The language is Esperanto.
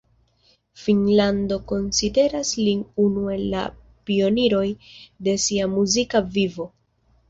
Finnlando konsideras lin unu el la pioniroj de sia muzika vivo.